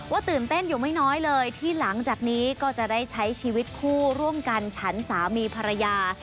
ตื่นเต้นอยู่ไม่น้อยเลยที่หลังจากนี้ก็จะได้ใช้ชีวิตคู่ร่วมกันฉันสามีภรรยา